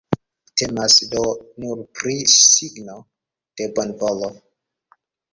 Temas do nur pri signo de bonvolo.